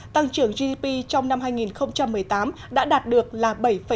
tăng trưởng gdp trong năm hai nghìn một mươi tám đã đạt được là bảy tám